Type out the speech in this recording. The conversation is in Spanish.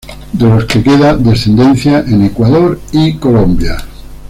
De los que queda descendencia en Ecuador y Colombia.